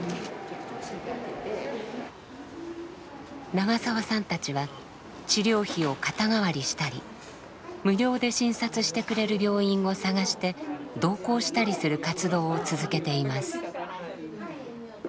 長澤さんたちは治療費を肩代わりしたり無料で診察してくれる病院を探して同行したりする活動を続けています。